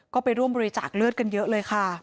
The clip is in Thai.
ก็ไปร่วมบริจาคเลือดกันเยอะเลยค่ะ